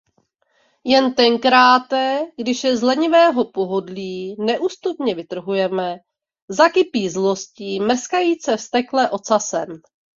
Jen tenkráte, když je z lenivého pohodlí neustupně vytrhujeme, zakypí zlostí mrskajíce vztekle ocasem.